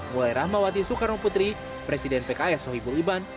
mulai rahmawati soekarno putri presiden pks sohibul iban